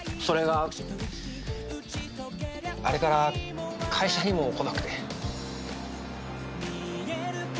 それがあれから会社にも来なくて。